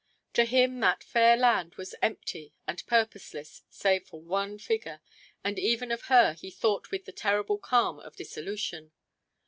To him that fair land was empty and purposeless save for one figure, and even of her he thought with the terrible calm of dissolution.